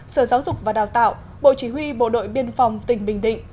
sở giáo dục và đào tạo bộ chỉ huy bộ đội biên phòng tỉnh bình định